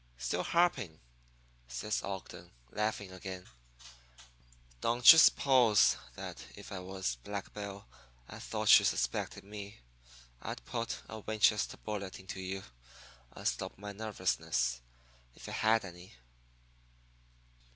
"'Still harping,' says Ogden, laughing again. 'Don't you suppose that if I was Black Bill and thought you suspected me, I'd put a Winchester bullet into you and stop my nervousness, if I had any?'